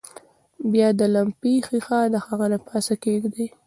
بیا د لمپې ښيښه د هغه د پاسه کیږدئ.